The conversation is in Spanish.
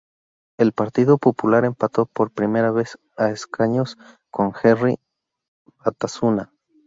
El Partido Popular empató por primera vez a escaños con Herri Batasuna.